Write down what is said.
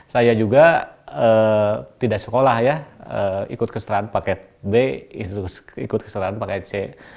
saya juga tidak sekolah ya ikut keserahan paket b ikut keserahan paket c